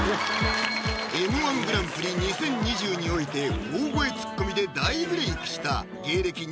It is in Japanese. Ｍ−１グランプリ２０２０において大声ツッコミで大ブレイクした芸歴